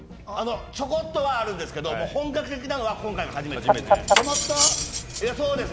ちょこっとあるんですけれど、本格的なのは今回が初めてです。